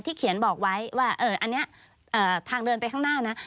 เขียนบอกไว้ว่าอันนี้ทางเดินไปข้างหน้านะ